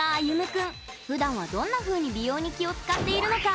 君ふだんは、どんなふうに美容に気を遣っているのか？